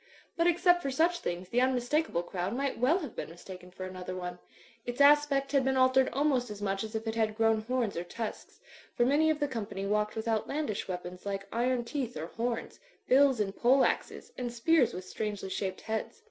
But except for such things the unmistakable crowd might well have been mistaken for another one. Its aspect had been altered almost as much as if it had grown horns or tusks ; for many of the company walked with outlandish weapons like iron teeth or horns, bills and pole axes, and spears 292 THE FLYING INN with strangdy shaped heads.